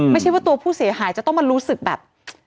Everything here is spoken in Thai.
ไม่ใช่ว่าตัวผู้เสียหายจะต้องมารู้สึกแบบ